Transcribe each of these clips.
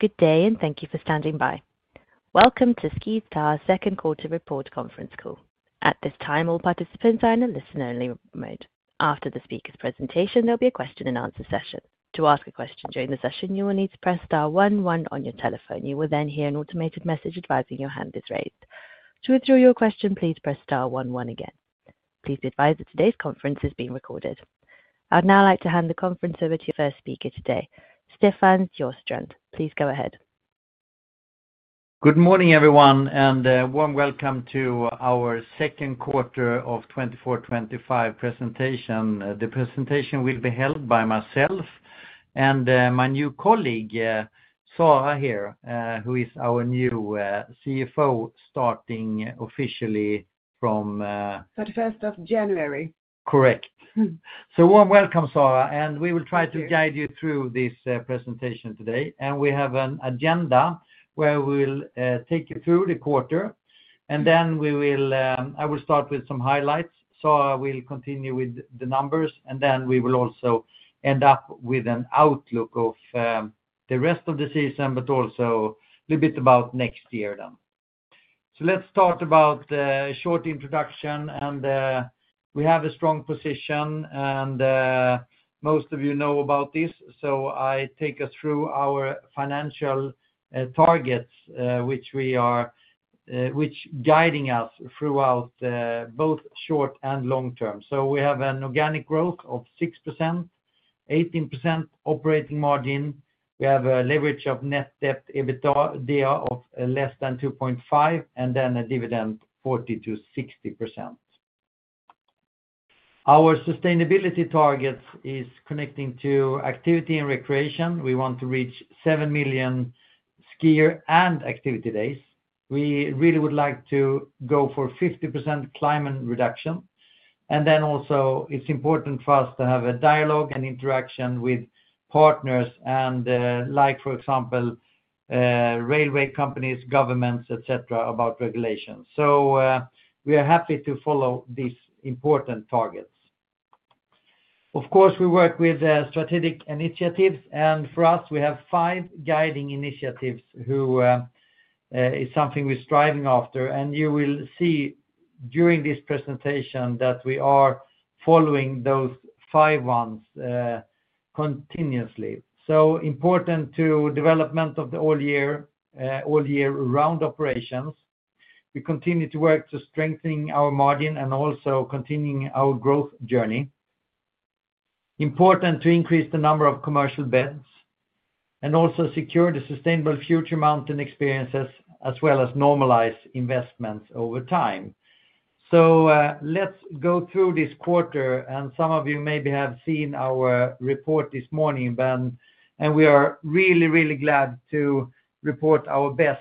Good day, and thank you for standing by. Welcome to SkiStar's second quarter report conference call. At this time, all participants are in a listen-only mode. After the speaker's presentation, there'll be a question-and-answer session. To ask a question during the session, you will need to press star one one on your telephone. You will then hear an automated message advising your hand is raised. To withdraw your question, please press star one one again. Please be advised that today's conference is being recorded. I'd now like to hand the conference over to your first speaker today, Stefan Sjöstrand. Please go ahead. Good morning, everyone, and a warm welcome to our second quarter of 2024-2025 presentation. The presentation will be held by myself and my new colleague, Sara, here, who is our new CFO, starting officially from. 31st of January. Correct. A warm welcome, Sara, and we will try to guide you through this presentation today. We have an agenda where we'll take you through the quarter, and I will start with some highlights. Sara will continue with the numbers, and we will also end up with an outlook of the rest of the season, but also a little bit about next year then. Let's start with a short introduction, and we have a strong position, and most of you know about this. I take us through our financial targets, which are guiding us throughout both short and long-term. We have an organic growth of 6%, 18% operating margin. We have a leverage of net debt EBITDA of less than 2.5, and then a dividend of 40%-60%. Our sustainability target is connecting to activity and recreation. We want to reach 7 million skier and activity days. We really would like to go for 50% climate reduction. It is important for us to have a dialogue and interaction with partners, like, for example, railway companies, governments, etc., about regulations. We are happy to follow these important targets. Of course, we work with strategic initiatives, and for us, we have five guiding initiatives, which is something we're striving after. You will see during this presentation that we are following those five ones continuously. It is important to the development of the all-year round operations. We continue to work to strengthen our margin and also continue our growth journey. It is important to increase the number of commercial beds and also secure the sustainable future mountain experiences, as well as normalize investments over time. Let's go through this quarter, and some of you maybe have seen our report this morning then, and we are really, really glad to report our best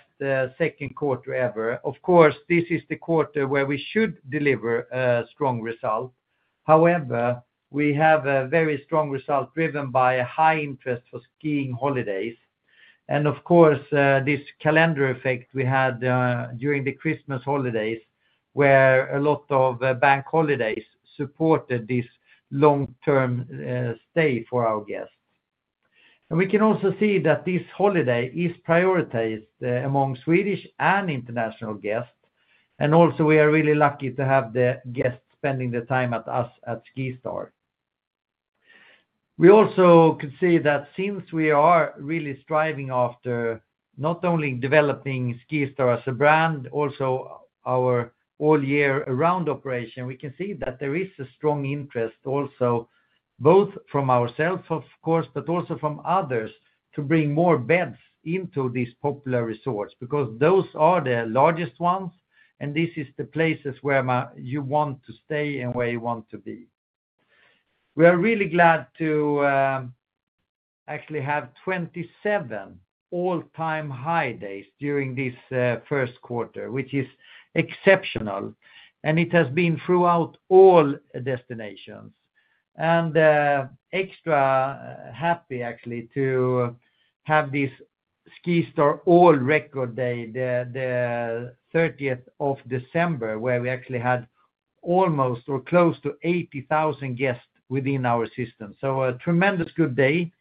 second quarter ever. Of course, this is the quarter where we should deliver a strong result. However, we have a very strong result driven by a high interest for skiing holidays. Of course, this calendar effect we had during the Christmas holidays, where a lot of bank holidays supported this long-term stay for our guests. We can also see that this holiday is prioritized among Swedish and international guests. Also, we are really lucky to have the guests spending the time with us at SkiStar. We also could see that since we are really striving after not only developing SkiStar as a brand, also our all-year round operation, we can see that there is a strong interest also, both from ourselves, of course, but also from others, to bring more beds into these popular resorts because those are the largest ones, and these are the places where you want to stay and where you want to be. We are really glad to actually have 27 all-time high days during this first quarter, which is exceptional, and it has been throughout all destinations. I am extra happy, actually, to have this SkiStar all-record day, the 30th of December, where we actually had almost or close to 80,000 guests within our system. A tremendous good day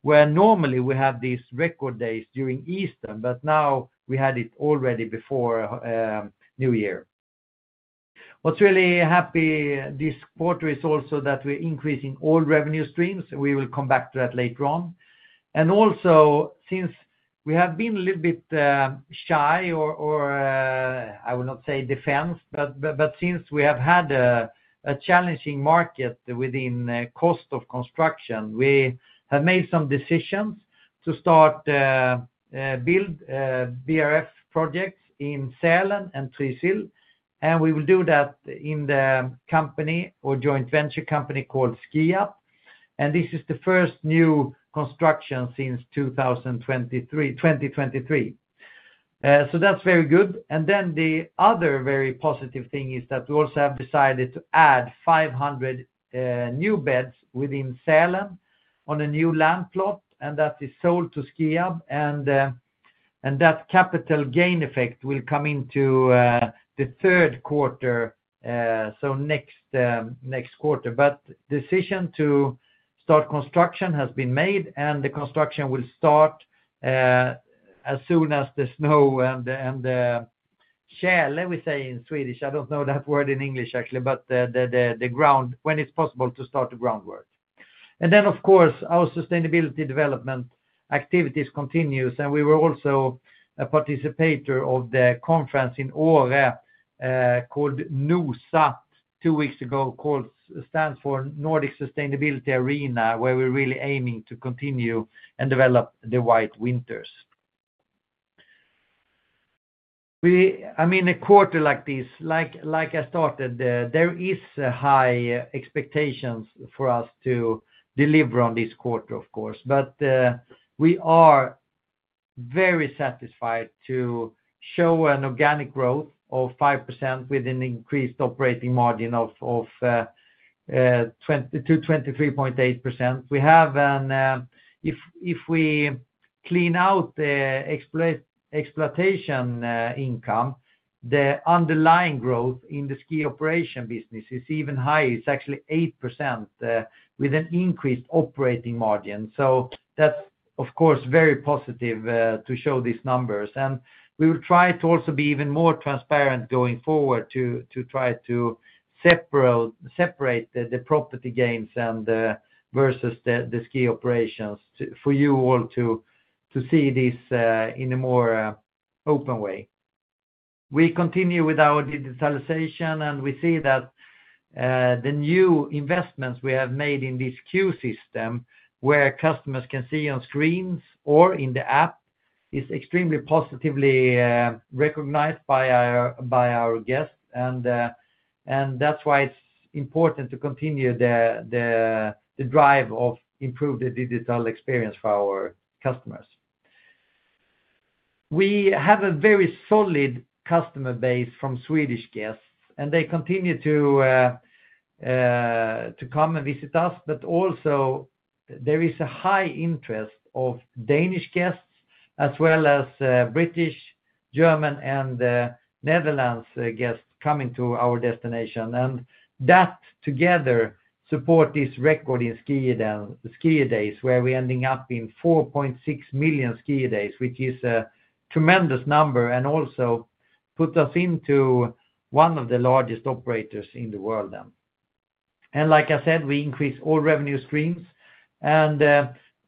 where normally we have these record days during Easter, but now we had it already before New Year. What's really happy this quarter is also that we're increasing all revenue streams. We will come back to that later on. Also, since we have been a little bit shy, or I will not say defensive, but since we have had a challenging market within the cost of construction, we have made some decisions to start to build BRF projects in Sälen and Trysil, and we will do that in the company or joint venture company called Skiab. This is the first new construction since 2023. That is very good. The other very positive thing is that we also have decided to add 500 new beds within Sälen on a new land plot, and that is sold to Skiab. That capital gain effect will come into the third quarter, so next quarter. The decision to start construction has been made, and the construction will start as soon as the snow and the tjäle, we say in Swedish. I do not know that word in English, actually, but the ground when it is possible to start the groundwork. Of course, our sustainability development activities continue, and we were also a participator of the conference in Åre called NoSA two weeks ago, which stands for Nordic Sustainability Arena, where we are really aiming to continue and develop the White Winters. I mean, a quarter like this, like I started, there are high expectations for us to deliver on this quarter, of course. We are very satisfied to show an organic growth of 5% with an increased operating margin of 23.8%. If we clean out the exploitation income, the underlying growth in the ski operation business is even higher. It's actually 8% with an increased operating margin. That is, of course, very positive to show these numbers. We will try to also be even more transparent going forward to try to separate the property gains versus the ski operations for you all to see this in a more open way. We continue with our digitalization, and we see that the new investments we have made in this queue system, where customers can see on screens or in the app, are extremely positively recognized by our guests. That is why it's important to continue the drive of improving the digital experience for our customers. We have a very solid customer base from Swedish guests, and they continue to come and visit us. There is also a high interest of Danish guests, as well as British, German, and Netherlands guests coming to our destination. That together supports this record in ski days, where we're ending up in 4.6 million ski days, which is a tremendous number and also puts us into one of the largest operators in the world. Like I said, we increase all revenue streams.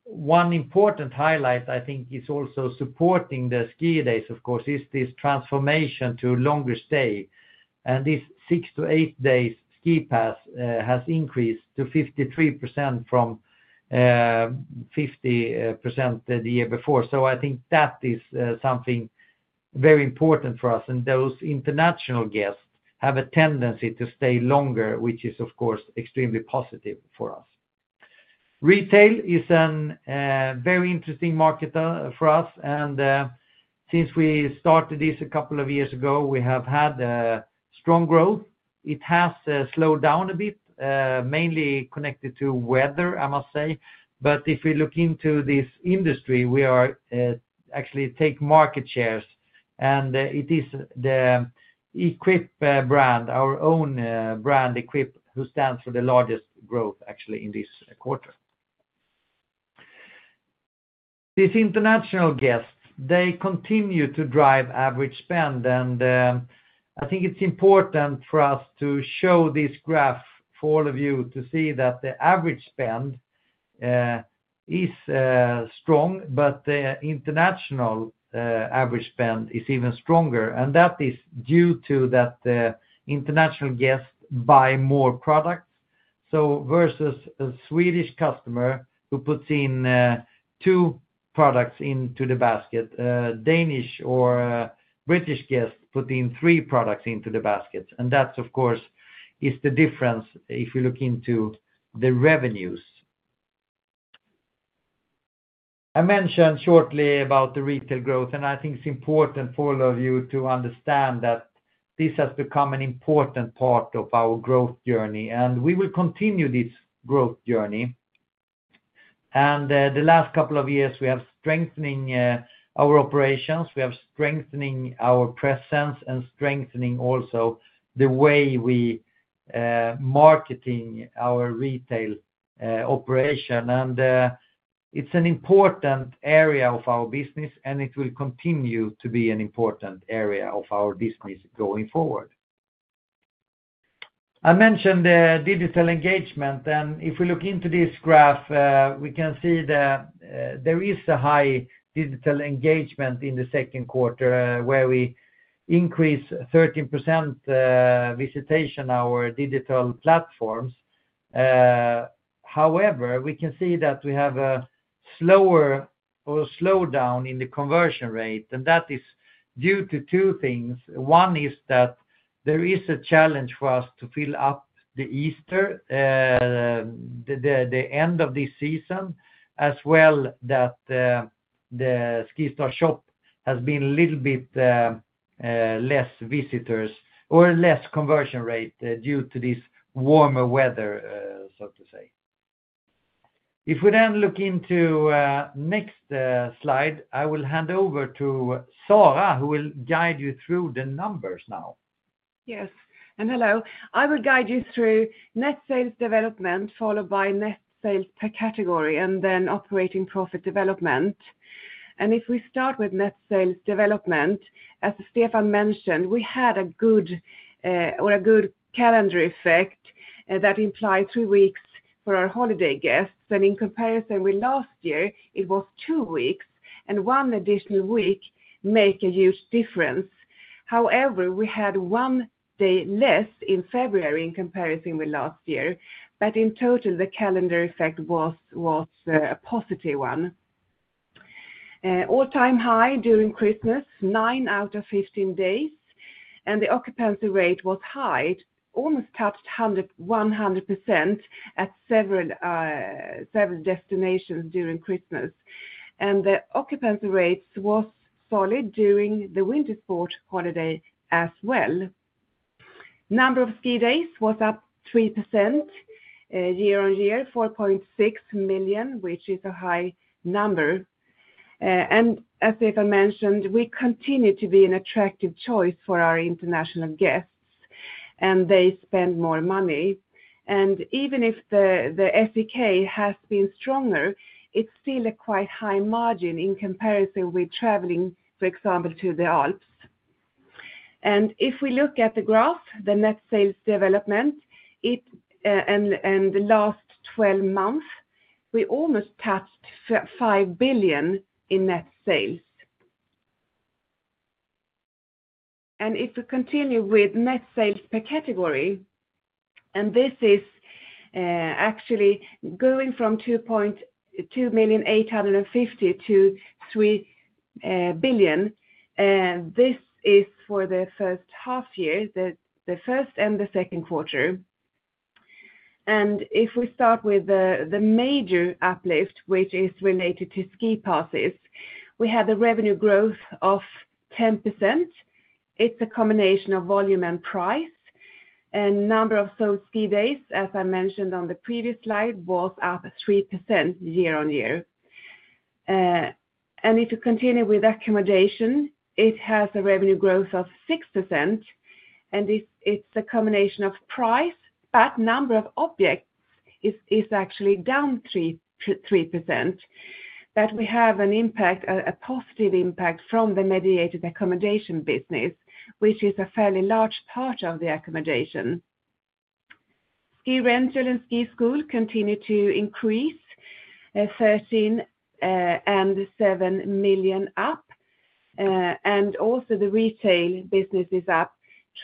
One important highlight, I think, is also supporting the ski days, of course, is this transformation to longer stay. This six to eight days ski pass has increased to 53% from 50% the year before. I think that is something very important for us. Those international guests have a tendency to stay longer, which is, of course, extremely positive for us. Retail is a very interesting market for us. Since we started this a couple of years ago, we have had a strong growth. It has slowed down a bit, mainly connected to weather, I must say. If we look into this industry, we are actually taking market shares, and it is the EQPE brand, our own brand, EQPE, who stands for the largest growth, actually, in this quarter. These international guests, they continue to drive average spend. I think it's important for us to show this graph for all of you to see that the average spend is strong, but the international average spend is even stronger. That is due to international guests buying more products. Versus a Swedish customer who puts in two products into the basket, a Danish or British guest puts in three products into the basket. That, of course, is the difference if you look into the revenues. I mentioned shortly about the retail growth, and I think it's important for all of you to understand that this has become an important part of our growth journey. We will continue this growth journey. The last couple of years, we have been strengthening our operations. We have been strengthening our presence and strengthening also the way we are marketing our retail operation. It's an important area of our business, and it will continue to be an important area of our business going forward. I mentioned digital engagement, and if we look into this graph, we can see that there is a high digital engagement in the second quarter, where we increased 13% visitation on our digital platforms. However, we can see that we have a slower or slowdown in the conversion rate, and that is due to two things. One is that there is a challenge for us to fill up the Easter, the end of this season, as well as that the SkiStarshop has been a little bit less visitors or less conversion rate due to this warmer weather, so to say. If we then look into the next slide, I will hand over to Sara, who will guide you through the numbers now. Yes. Hello. I will guide you through net sales development, followed by net sales per category, and then operating profit development. If we start with net sales development, as Stefan mentioned, we had a good calendar effect that implied three weeks for our holiday guests. In comparison with last year, it was two weeks, and one additional week made a huge difference. However, we had one day less in February in comparison with last year. In total, the calendar effect was a positive one. All-time high during Christmas, nine out of 15 days, and the occupancy rate was high. It almost touched 100% at several destinations during Christmas. The occupancy rate was solid during the winter sport holiday as well. The number of ski days was up 3% year on year, 4.6 million, which is a high number. As Stefan mentioned, we continue to be an attractive choice for our international guests, and they spend more money. Even if the SEK has been stronger, it is still a quite high margin in comparison with traveling, for example, to the Alps. If we look at the graph, the net sales development, and the last 12 months, we almost touched 5 billion in net sales. If we continue with net sales per category, and this is actually going from 2,285,000,000 to 3 billion, this is for the first half year, the first and the second quarter. If we start with the major uplift, which is related to ski passes, we had a revenue growth of 10%. It is a combination of volume and price. The number of sold skier days, as I mentioned on the previous slide, was up 3% year on year. If we continue with accommodation, it has a revenue growth of 6%. It is a combination of price, but the number of objects is actually down 3%. We have a positive impact from the mediated accommodation business, which is a fairly large part of the accommodation. Ski rental and ski school continue to increase, 13 million and 7 million up. The retail business is up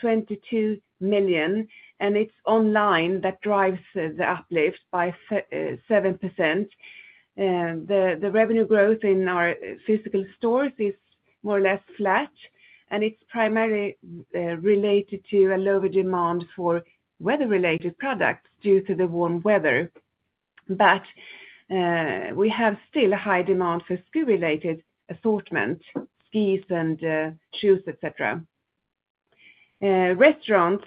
22 million. It is online that drives the uplift by 7%. The revenue growth in our physical stores is more or less flat, and it is primarily related to a lower demand for weather-related products due to the warm weather. We still have a high demand for ski-related assortment, skis and shoes, etc. Restaurants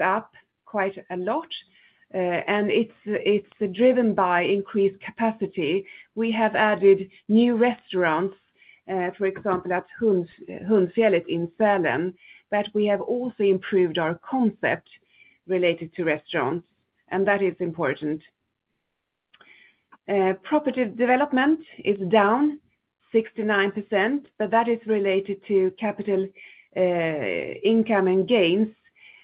are up quite a lot, and it is driven by increased capacity. We have added new restaurants, for example, at Hundfjället in Sälen, but we have also improved our concept related to restaurants, and that is important. Property development is down 69%, but that is related to capital income and gains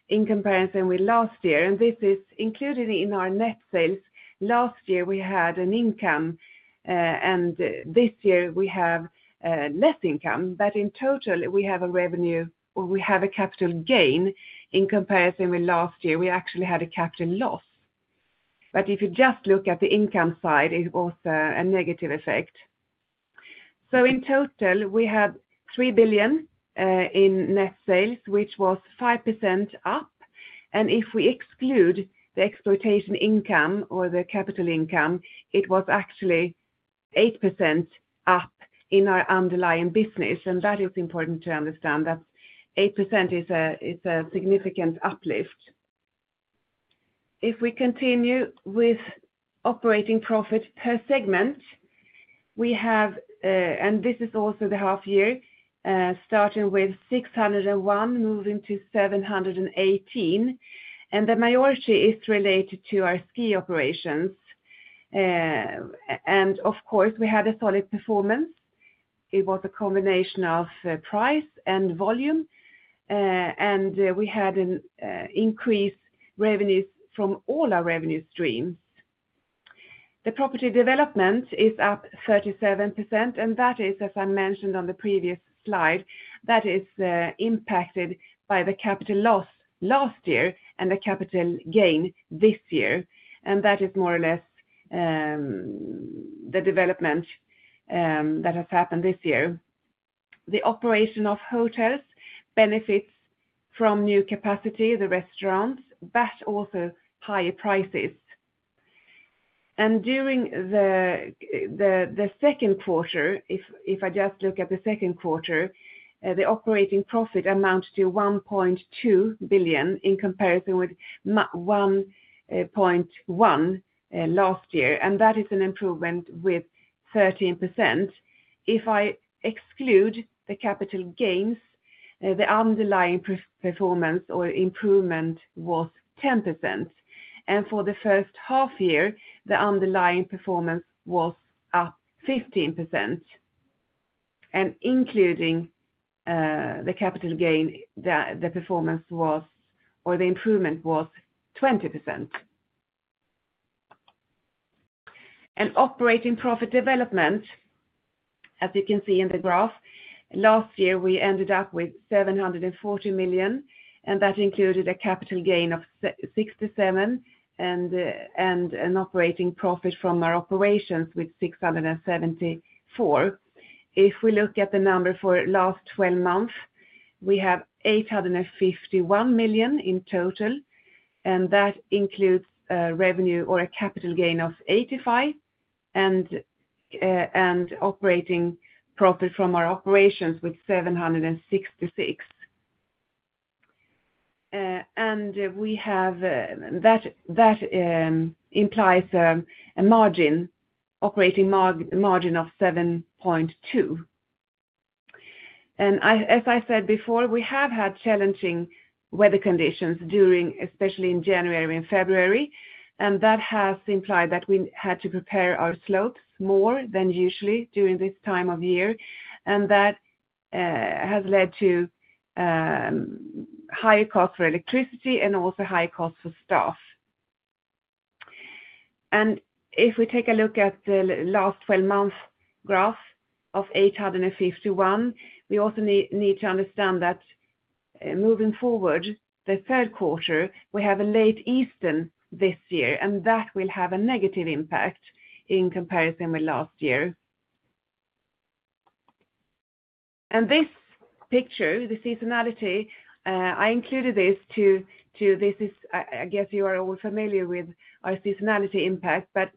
in comparison with last year. This is included in our net sales. Last year, we had an income, and this year we have less income. In total, we have a revenue, or we have a capital gain in comparison with last year. We actually had a capital loss. If you just look at the income side, it was a negative effect. In total, we had 3 billion in net sales, which was 5% up. If we exclude the exploitation income or the capital income, it was actually 8% up in our underlying business. That is important to understand that 8% is a significant uplift. If we continue with operating profit per segment, we have, and this is also the half year, starting with 601 million, moving to 718 million. The majority is related to our ski operations. Of course, we had a solid performance. It was a combination of price and volume, and we had an increase in revenues from all our revenue streams. The property development is up 37%, and that is, as I mentioned on the previous slide, impacted by the capital loss last year and the capital gain this year. That is more or less the development that has happened this year. The operation of hotels benefits from new capacity, the restaurants, but also higher prices. During the second quarter, if I just look at the second quarter, the operating profit amounted to 1.2 billion in comparison with 1.1 billion last year. That is an improvement with 13%. If I exclude the capital gains, the underlying performance or improvement was 10%. For the first half year, the underlying performance was up 15%. Including the capital gain, the performance was, or the improvement was 20%. Operating profit development, as you can see in the graph, last year we ended up with 740 million, and that included a capital gain of 67 million and an operating profit from our operations with 674 million. If we look at the number for the last 12 months, we have 851 million in total, and that includes revenue or a capital gain of 85 million and operating profit from our operations with 766 million. That implies a margin, operating margin of 7.2%. As I said before, we have had challenging weather conditions during, especially in January and February, and that has implied that we had to prepare our slopes more than usually during this time of year. That has led to higher costs for electricity and also higher costs for staff. If we take a look at the last 12-month graph of 851 million, we also need to understand that moving forward, the third quarter, we have a late Easter this year, and that will have a negative impact in comparison with last year. This picture, the seasonality, I included this to, I guess you are all familiar with our seasonality impact, but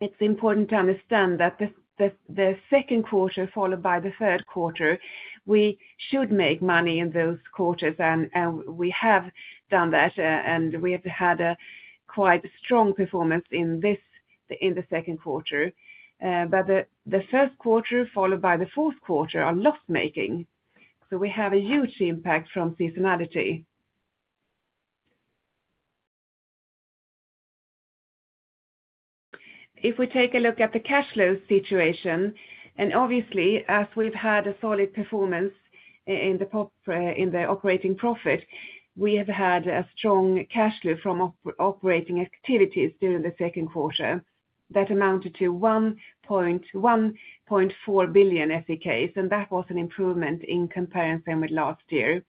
it's important to understand that the second quarter followed by the third quarter, we should make money in those quarters, and we have done that, and we have had a quite strong performance in the second quarter. The first quarter followed by the fourth quarter are loss-making. We have a huge impact from seasonality. If we take a look at the cash flow situation, and obviously, as we've had a solid performance in the operating profit, we have had a strong cash flow from operating activities during the second quarter. That amounted to 1.4 billion, and that was an improvement in comparison with last year.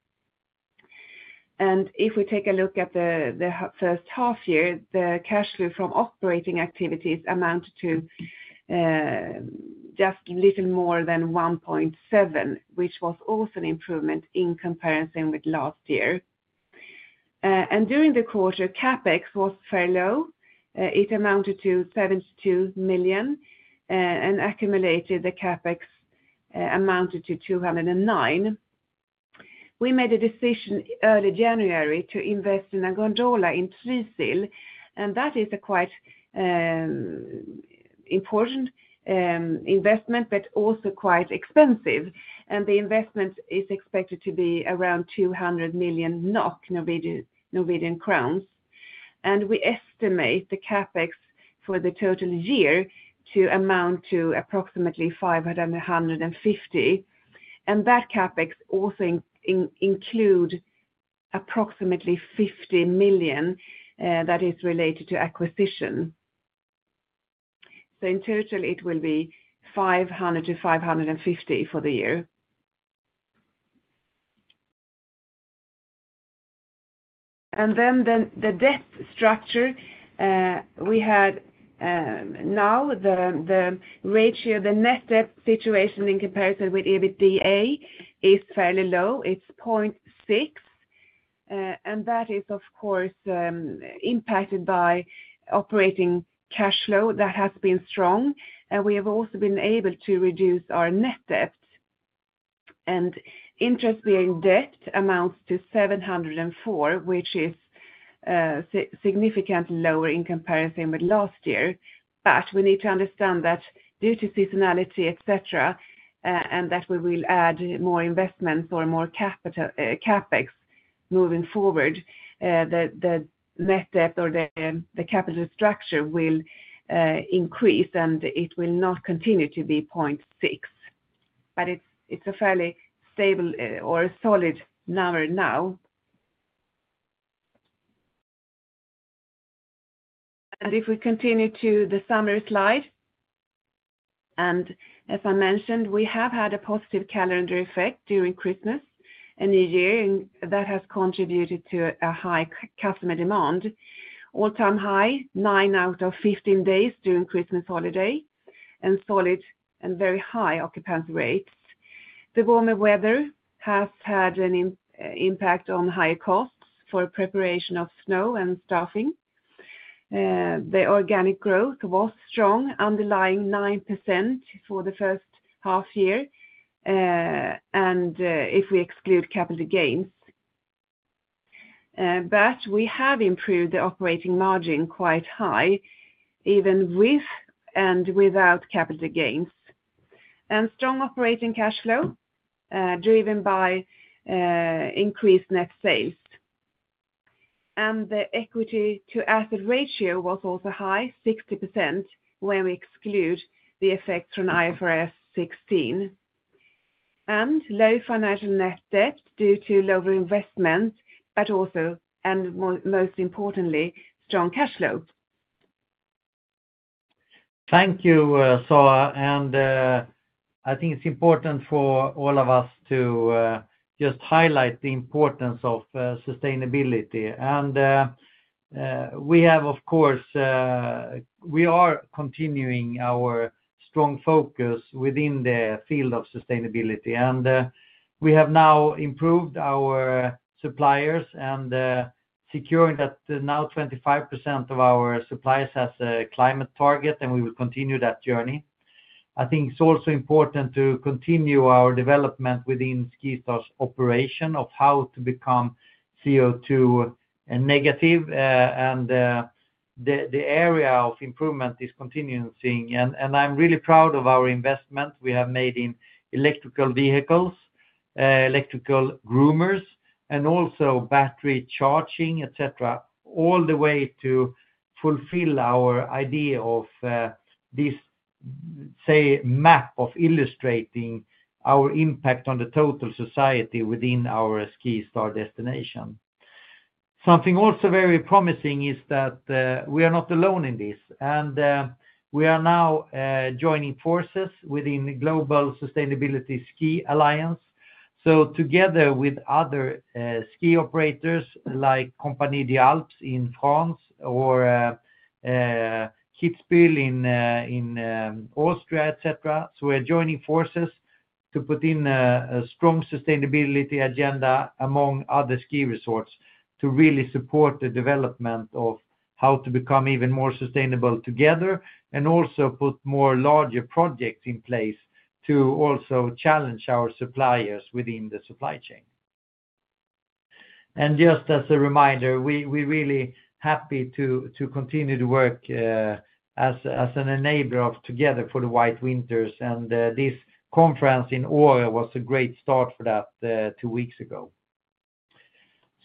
If we take a look at the first half year, the cash flow from operating activities amounted to just a little more than 1.7 billion, which was also an improvement in comparison with last year. During the quarter, CapEx was very low. It amounted to 272 million, and accumulated, the CapEx amounted to 209 million. We made a decision early January to invest in a gondola in Trysil, and that is a quite important investment, but also quite expensive. The investment is expected to be around 200 million NOK, Norwegian crowns. We estimate the CapEx for the total year to amount to approximately 550 million. That CapEx also includes approximately 50 million that is related to acquisition. In total, it will be 500 million-550 million for the year. The debt structure we had now, the ratio, the net debt situation in comparison with EBITDA is fairly low. It is 0.6, and that is, of course, impacted by operating cash flow that has been strong. We have also been able to reduce our net debt. Interest-bearing debt amounts to 704 million, which is significantly lower in comparison with last year. We need to understand that due to seasonality, etc., and that we will add more investments or more CapEx moving forward, the net debt or the capital structure will increase, and it will not continue to be 0.6. It is a fairly stable or solid number now. If we continue to the summary slide. As I mentioned, we have had a positive calendar effect during Christmas and New Year, and that has contributed to a high customer demand. All-time high, nine out of 15 days during Christmas holiday, and solid and very high occupancy rates. The warmer weather has had an impact on higher costs for preparation of snow and staffing. The organic growth was strong, underlying 9% for the first half year, and if we exclude capital gains. We have improved the operating margin quite high, even with and without capital gains. Strong operating cash flow driven by increased net sales. The equity-to-asset ratio was also high, 60%, when we exclude the effects from IFRS 16. Low financial net debt due to lower investments, but also, and most importantly, strong cash flow. Thank you, Sara. I think it's important for all of us to just highlight the importance of sustainability. We have, of course, we are continuing our strong focus within the field of sustainability. We have now improved our suppliers and secured that now 25% of our suppliers has a climate target, and we will continue that journey. I think it's also important to continue our development within SkiStar's operation of how to become CO2 negative. The area of improvement is continuing. I'm really proud of our investment we have made in electrical vehicles, electrical groomers, and also battery charging, etc., all the way to fulfill our idea of this, say, map of illustrating our impact on the total society within our SkiStar destination. Something also very promising is that we are not alone in this. We are now joining forces within the Global Sustainability Ski Alliance. Together with other ski operators like Compagnie des Alpes in France or Kitzbühel in Austria, etc., we are joining forces to put in a strong sustainability agenda among other ski resorts to really support the development of how to become even more sustainable together and also put more larger projects in place to also challenge our suppliers within the supply chain. Just as a reminder, we are really happy to continue to work as an enabler of together for the White Winters. This conference in Åre was a great start for that two weeks ago.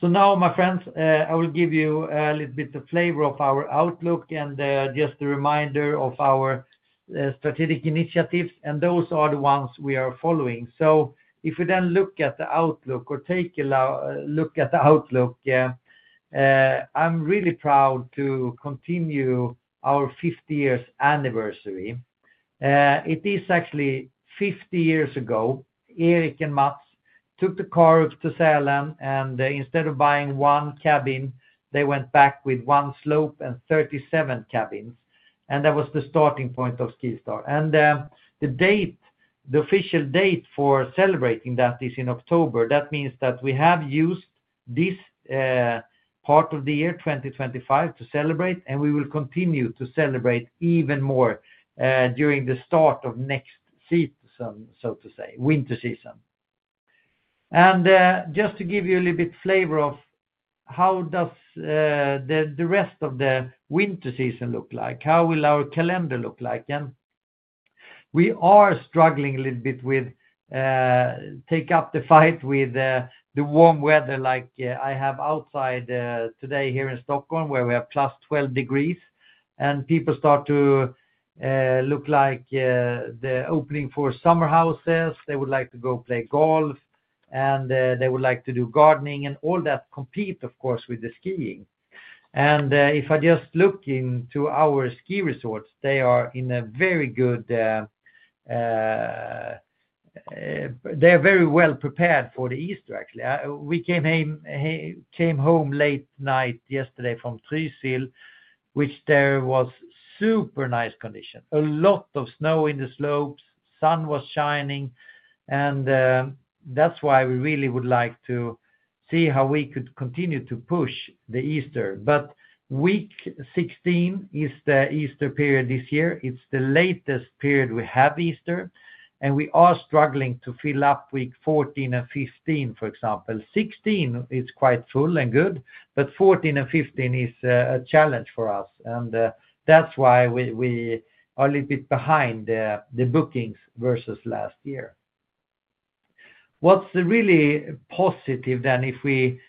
Now, my friends, I will give you a little bit of flavor of our outlook and just a reminder of our strategic initiatives, and those are the ones we are following. If we then look at the outlook or take a look at the outlook, I'm really proud to continue our 50-year anniversary. It is actually 50 years ago, Erik and Mats took the car to Sälen, and instead of buying one cabin, they went back with one slope and 37 cabins. That was the starting point of SkiStar. The date, the official date for celebrating that, is in October. That means that we have used this part of the year 2025 to celebrate, and we will continue to celebrate even more during the start of next season, so to say, winter season. Just to give you a little bit of flavor of how does the rest of the winter season look like, how will our calendar look like, we are struggling a little bit with take up the fight with the warm weather like I have outside today here in Stockholm where we have +12 degrees Celsius, and people start to look like the opening for summer houses. They would like to go play golf, and they would like to do gardening, and all that competes, of course, with the skiing. If I just look into our ski resorts, they are in a very good, they are very well-prepared for the Easter, actually. We came home late night yesterday from Trysil, which there was super nice condition, a lot of snow in the slopes, sun was shining, and that's why we really would like to see how we could continue to push the Easter. Week 16 is the Easter period this year. It's the latest period we have Easter, and we are struggling to fill up week 14 and 15, for example. 16 is quite full and good, but 14 and 15 is a challenge for us, and that's why we are a little bit behind the bookings versus last year. What's really positive then if we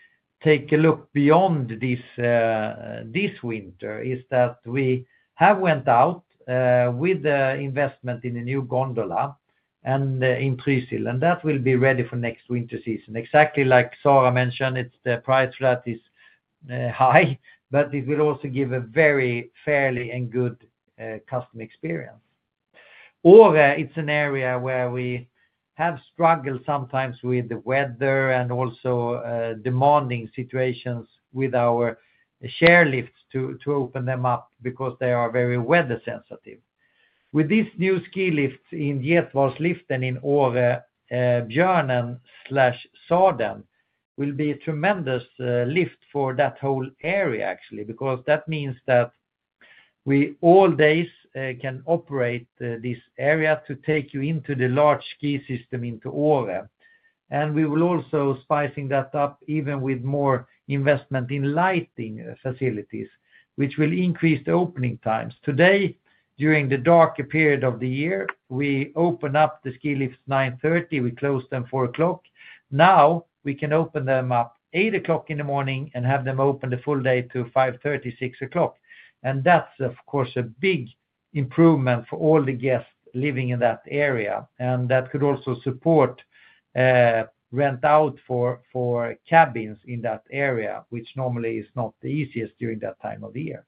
take a look beyond this winter is that we have went out with the investment in a new gondola in Trysil, and that will be ready for next winter season. Exactly like Sara mentioned, it's the price flat is high, but it will also give a very fairly and good customer experience. Åre, it's an area where we have struggled sometimes with the weather and also demanding situations with our chairlifts to open them up because they are very weather sensitive. With this new ski lift in Getvallsliften in Åre, Björnen/Sadeln, will be a tremendous lift for that whole area, actually, because that means that we all days can operate this area to take you into the large ski system into Åre. We will also spicing that up even with more investment in lighting facilities, which will increase the opening times. Today, during the darker period of the year, we open up the ski lifts 9:30 A.M. We closed them 4:00 P.M. Now we can open them up at 8:00 A.M. in the morning and have them open the full day to 5:30 P.M., 6:00 P.M. That is, of course, a big improvement for all the guests living in that area. That could also support rent out for cabins in that area, which normally is not the easiest during that time of year.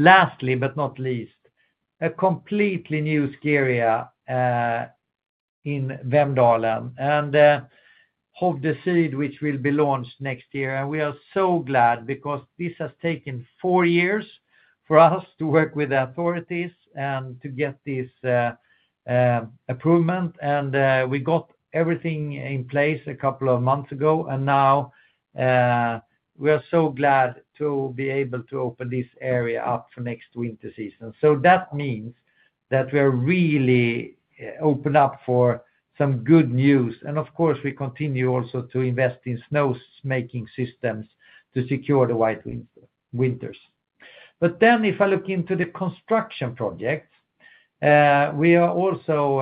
Lastly, but not least, a completely new ski area in Vemdalen, and Hovde Syd, which will be launched next year. We are so glad because this has taken four years for us to work with the authorities and to get this approval. We got everything in place a couple of months ago, and now we are so glad to be able to open this area up for next winter season. That means that we are really open up for some good news. Of course, we continue also to invest in snow-making systems to secure the White Winters. If I look into the construction projects, we also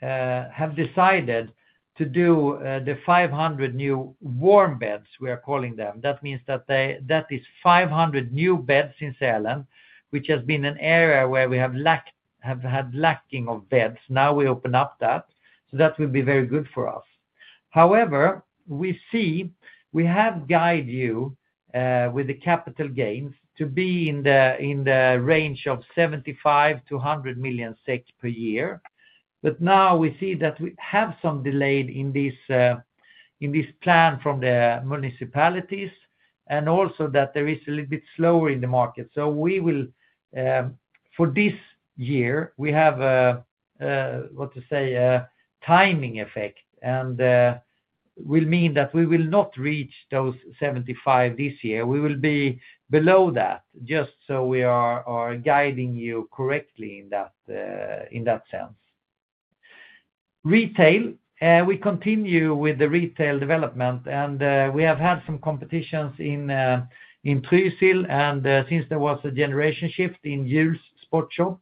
have decided to do the 500 new warm beds, we are calling them. That means that that is 500 new beds in Sälen, which has been an area where we have had lacking of beds. Now we open up that. That will be very good for us. However, we see we have guide you with the capital gains to be in the range of 75 million-100 million per year. Now we see that we have some delay in this plan from the municipalities and also that there is a little bit slower in the market. We will, for this year, we have, what to say, timing effect, and will mean that we will not reach those 75 million this year. We will be below that, just so we are guiding you correctly in that sense. Retail, we continue with the retail development, and we have had some competitions in Trysil. Since there was a generation shift in Jarl's Sportshop,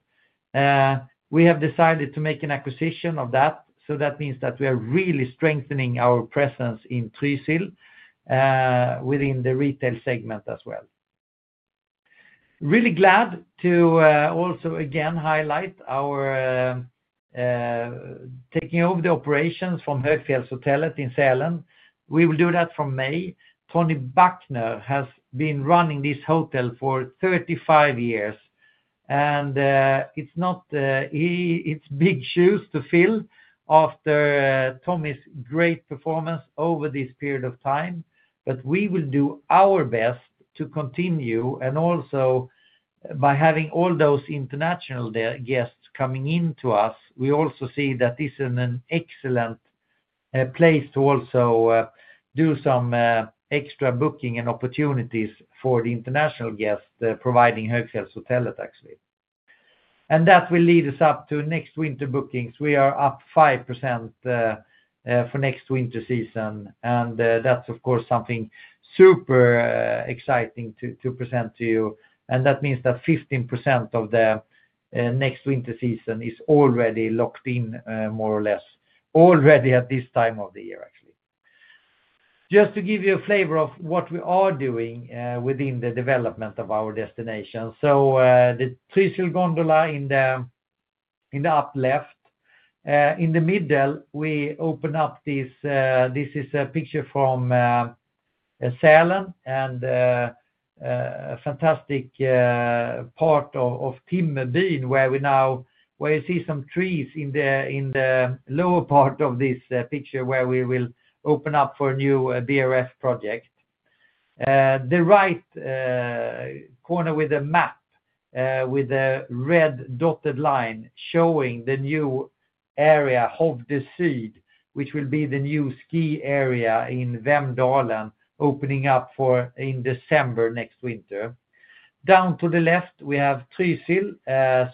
we have decided to make an acquisition of that. That means that we are really strengthening our presence in Trysil within the retail segment as well. Really glad to also again highlight our taking over the operations from Högfjällshotellet i Sälen. We will do that from May. Thommy Backner has been running this hotel for 35 years, and it's not big shoes to fill after Tom's great performance over this period of time. We will do our best to continue. Also, by having all those international guests coming in to us, we see that this is an excellent place to do some extra booking and opportunities for the international guests, providing Högfjällshotellet, actually. That will lead us up to next winter bookings. We are up 5% for next winter season. That is, of course, something super exciting to present to you. That means that 15% of the next winter season is already locked in, more or less, already at this time of the year, actually. Just to give you a flavor of what we are doing within the development of our destination. The Trysil gondola in the upper left. In the middle, we open up this. This is a picture from Sälen and a fantastic part of Timmerbyn where we now, where you see some trees in the lower part of this picture where we will open up for a new BRF project. The right corner with a map with a red dotted line showing the new area, Hovde Syd, which will be the new ski area in Vemdalen opening up for in December next winter. Down to the left, we have Trysil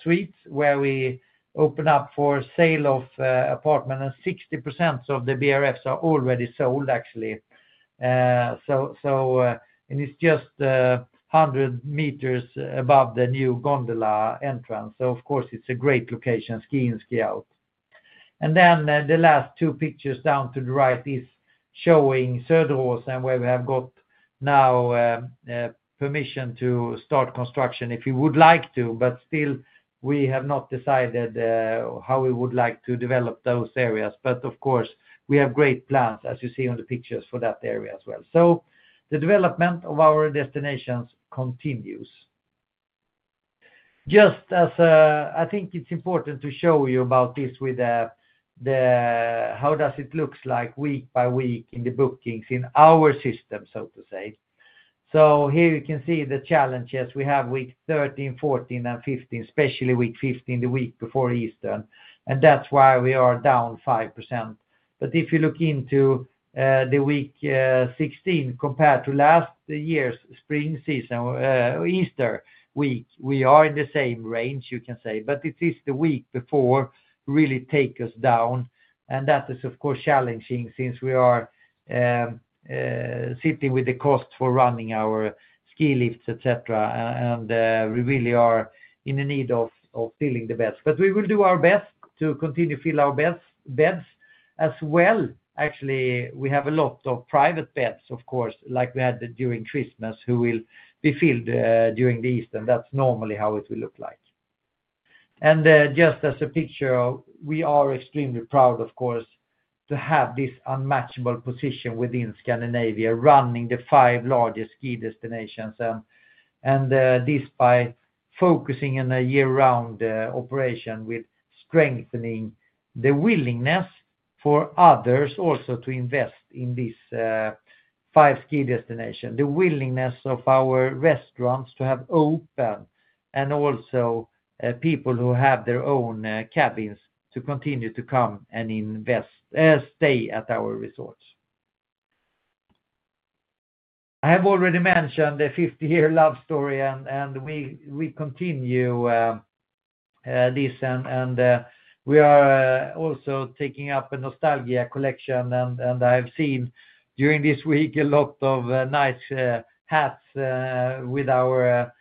Suites where we open up for sale of apartments. 60% of the BRFs are already sold, actually. It is just 100 m above the new gondola entrance. Of course, it's a great location, ski in, ski out. The last two pictures down to the right are showing Söderåsen where we have now got permission to start construction if we would like to, but still we have not decided how we would like to develop those areas. Of course, we have great plans, as you see on the pictures for that area as well. The development of our destinations continues. I think it is important to show you about this with how it looks like week by week in the bookings in our system, so to say. Here you can see the challenges we have week 13, 14, and 15, especially week 15, the week before Easter. That is why we are down 5%. If you look into week 16 compared to last year's spring season, Easter week, we are in the same range, you can say, but it is the week before that really takes us down. That is, of course, challenging since we are sitting with the cost for running our ski lifts, etc. We really are in the need of filling the beds. We will do our best to continue to fill our beds as well. Actually, we have a lot of private beds, of course, like we had during Christmas, which will be filled during Easter. That is normally how it will look. Just as a picture, we are extremely proud, of course, to have this unmatchable position within Scandinavia running the five largest ski destinations. This is by focusing on a year-round operation with strengthening the willingness for others also to invest in these five ski destinations, the willingness of our restaurants to have open and also people who have their own cabins to continue to come and invest, stay at our resorts. I have already mentioned the 50-year love story, and we continue this. We are also taking up a nostalgia collection. I have seen during this week a lot of nice hats with our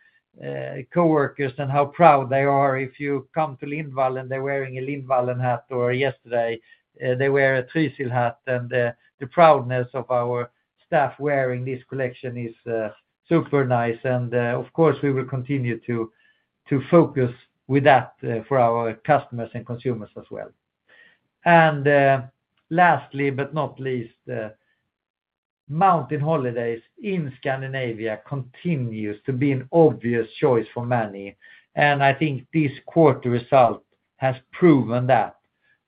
coworkers and how proud they are if you come to Lindvallen. They are wearing a Lindvallen hat or yesterday they were a Trysil hat. The proudness of our staff wearing this collection is super nice. Of course, we will continue to focus with that for our customers and consumers as well. Lastly, but not least, mountain holidays in Scandinavia continues to be an obvious choice for many. I think this quarter result has proven that.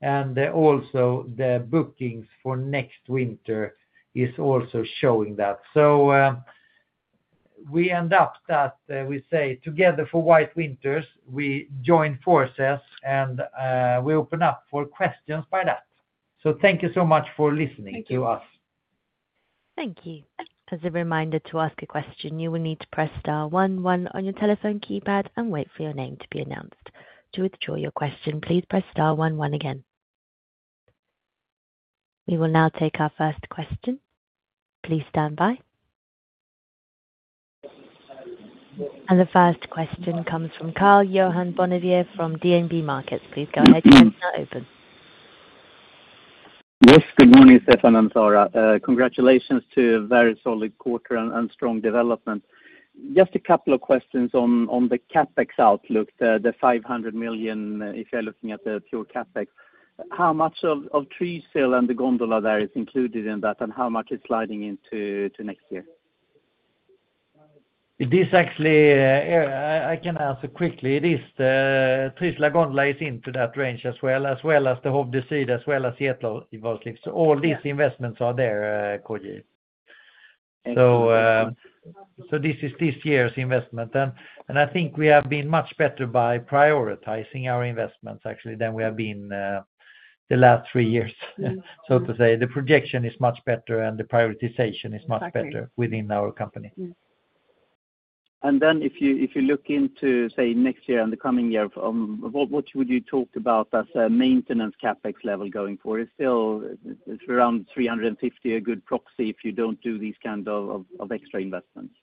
Also, the bookings for next winter is also showing that. We end up that we say together for White Winters, we join forces and we open up for questions by that. Thank you so much for listening to us. Thank you. As a reminder to ask a question, you will need to press star one one on your telephone keypad and wait for your name to be announced. To withdraw your question, please press star one one again. We will now take our first question. Please stand by. The first question comes from Karl-Johan Bonnevier from DNB Markets. Please go ahead. Yes, good morning, Stefan and Sara. Congratulations to a very solid quarter and strong development. Just a couple of questions on the CapEx outlook, the 500 million if you're looking at the pure CapEx. How much of Trysil and the gondola there is included in that and how much is sliding into next year? This actually, I can answer quickly. It is Trysil and gondola is into that range as well, as well as the Hovde Syd, as well as Getvallsliften. So all these investments are there, [Karl]. This is this year's investment. I think we have been much better by prioritizing our investments, actually, than we have been the last three years, so to say. The projection is much better and the prioritization is much better within our company. If you look into, say, next year and the coming year, what would you talk about as a maintenance CapEx level going forward? Is around 350 million a good proxy if you don't do these kinds of extra investments?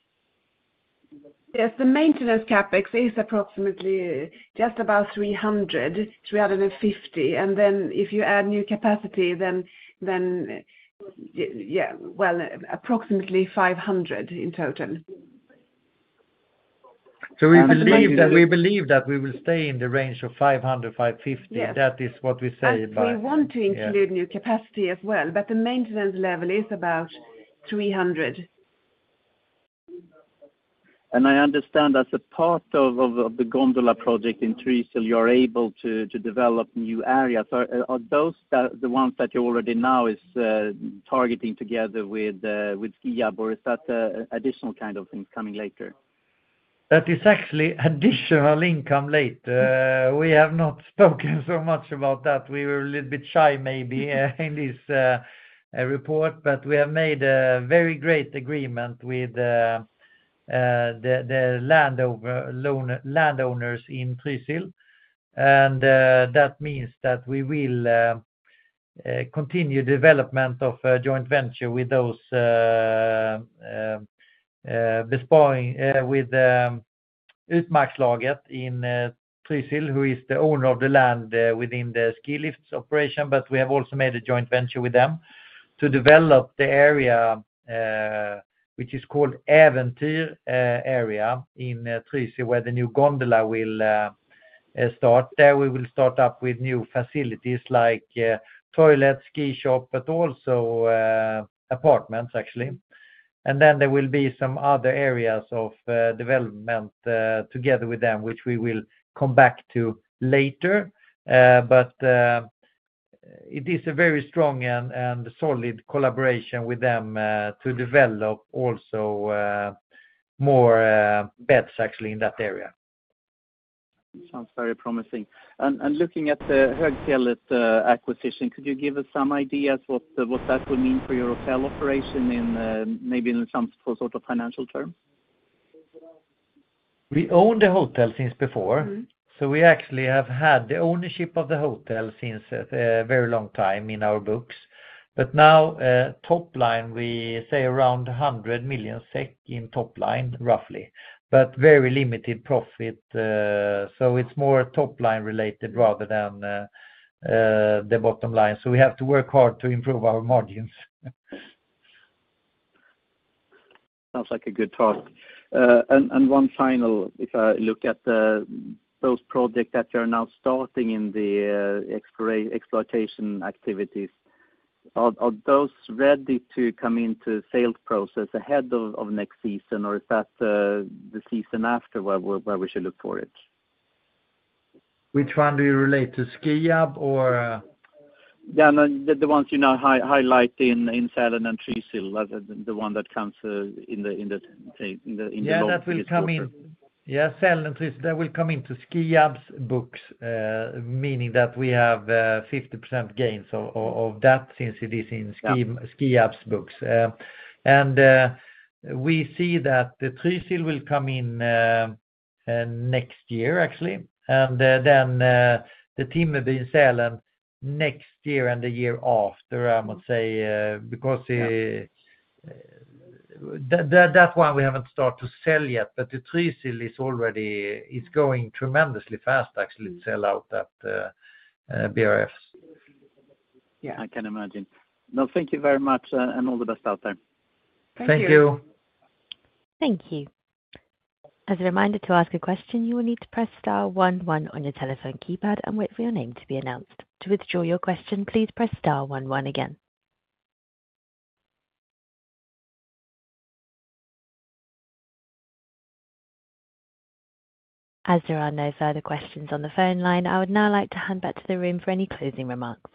Yes, the maintenance CapEx is approximately just about 300 million, 350 million. If you add new capacity, then yeah, approximately 500 million in total. We believe that we will stay in the range of 500 million-550 million. That is what we say. We want to include new capacity as well, but the maintenance level is about 300 million. I understand as a part of the gondola project in Trysil, you are able to develop new areas. Are those the ones that you already now are targeting together with Skiab, or is that additional kind of things coming later? That is actually additional income later. We have not spoken so much about that. We were a little bit shy maybe in this report, but we have made a very great agreement with the landowners in Trysil. That means that we will continue development of a joint venture with Utmarkslaget in Trysil, who is the owner of the land within the ski lifts operation. We have also made a joint venture with them to develop the area, which is called the Eventyr area in Trysil, where the new gondola will start. There we will start-up with new facilities like toilets, ski shop, but also apartments, actually. There will be some other areas of development together with them, which we will come back to later. It is a very strong and solid collaboration with them to develop also more beds, actually, in that area. Sounds very promising. Looking at the Högfjället acquisition, could you give us some ideas what that would mean for your hotel operation in maybe in some sort of financial terms? We own the hotel since before. We actually have had the ownership of the hotel since a very long time in our books. Now, top line, we say around 100 million SEK in top line, roughly, but very limited profit. It is more top line related rather than the bottom line. We have to work hard to improve our margins. Sounds like a good thought. One final, if I look at those projects that you are now starting in the exploitation activities, are those ready to come into sales process ahead of next season, or is that the season after where we should look for it? Which one do you relate to, Skiab or? Yeah, the ones you now highlight in Sälen and Trysil, the one that comes in the long-term. Yeah, that will come in. Yeah, Sälen and Trysil, that will come into Skiab's books, meaning that we have 50% gains of that since it is in Skiab's books. We see that Trysil will come in next year, actually. The Timmerbyn in Sälen next year and the year after, I must say, because that one we haven't started to sell yet. Trysil is going tremendously fast, actually, to sell out that BRF. Yeah, I can imagine. Thank you very much and all the best out there. Thank you. Thank you. As a reminder to ask a question, you will need to press star one one on your telephone keypad and wait for your name to be announced. To withdraw your question, please press star one one again. As there are no further questions on the phone line, I would now like to hand back to the room for any closing remarks.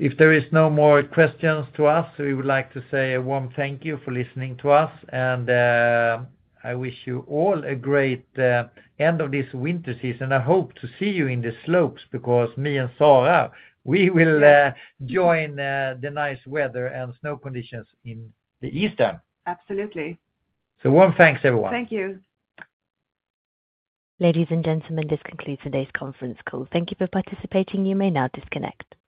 If there are no more questions to us, we would like to say a warm thank you for listening to us. I wish you all a great end of this winter season. I hope to see you in the slopes because me and Sara, we will join the nice weather and snow conditions in the Easter. Absolutely. Warm thanks, everyone. Thank you. Ladies and gentlemen, this concludes today's conference call. Thank you for participating. You may now disconnect.